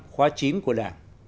khóa chín của đảng